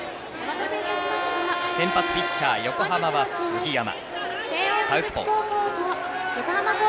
先発ピッチャー、横浜は杉山サウスポー。